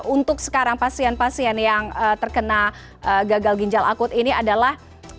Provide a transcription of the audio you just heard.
untuk sekarang pasien pasien yang terkena gagal ginjal akut ini adalah